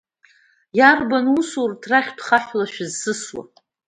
Иарбан усу урҭ рахьтә хаҳәла шәызсысуа?